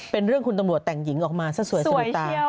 เป็นเรื่องคุณตำรวจแต่งหญิงออกมาซะสวยสะดุดตา